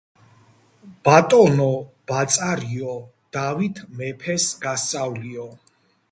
ბატონო ბაწარიო, დავით მეფეს გასწავლიო